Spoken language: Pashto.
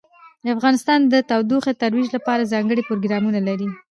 افغانستان د تودوخه د ترویج لپاره ځانګړي پروګرامونه لري.